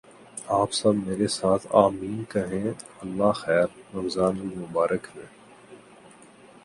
آپ سب میرے ساتھ "آمین" کہیں اللہ خیر! رمضان المبارک میں